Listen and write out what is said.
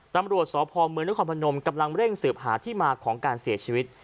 ตำรวจสพเมืองนครพนมกำลังเร่งสืบหาที่มาของการเสียชีวิต